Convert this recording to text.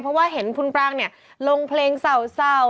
เพราะว่าเห็นคุณปรางเนี่ยลงเพลงเศร้า